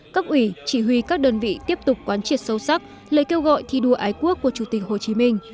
các ủy chỉ huy các đơn vị tiếp tục quán triệt sâu sắc lời kêu gọi thi đua ái quốc của chủ tịch hồ chí minh